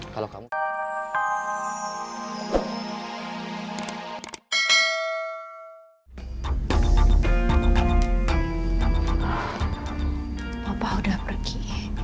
papa udah pergi